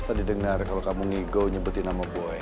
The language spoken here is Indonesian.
mas tadi dengar kalau kamu ngigo nyebutin nama boy